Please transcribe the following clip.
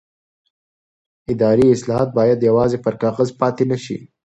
اداري اصلاحات باید یوازې پر کاغذ پاتې نه شي